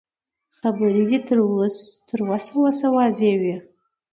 خبرې دې يې تر وسه وسه واضح وي.